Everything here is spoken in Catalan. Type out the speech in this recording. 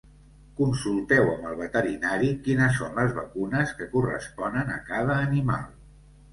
Consulteu amb el veterinari quines són les vacunes que corresponen a cada animal.